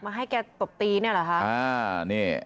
มาให้แกตบตีเนี่ยหรอครับ